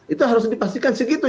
itu harus dipastikan segitu